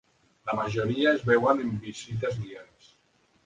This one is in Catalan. La majoria es veuen en visites guiades.